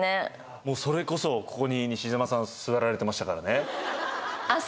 もうそれこそここに西島さん座られてましたからね